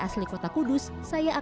seni hijrah di bahasa type i